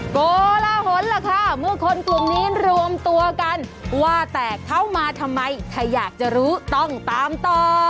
โกลหนล่ะค่ะเมื่อคนกลุ่มนี้รวมตัวกันว่าแต่เขามาทำไมถ้าอยากจะรู้ต้องตามต่อ